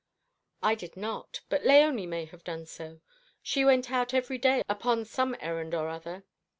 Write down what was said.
"I did not; but Léonie may have done so. She went out every day upon some errand or other.